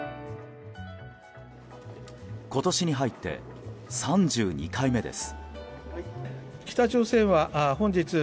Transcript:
今年に入って３２回目です。